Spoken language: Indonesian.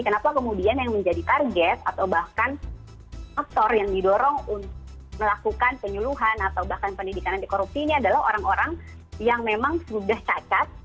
kenapa kemudian yang menjadi target atau bahkan faktor yang didorong untuk melakukan penyuluhan atau bahkan pendidikan anti korupsi ini adalah orang orang yang memang sudah cacat